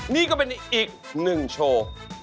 นี่ก็เป็นอีกหนึ่งโชว์